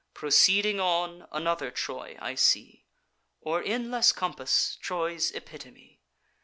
Proceeding on, another Troy I see, Or, in less compass, Troy's epitome.